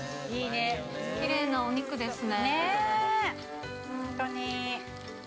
きれいなお肉ですね。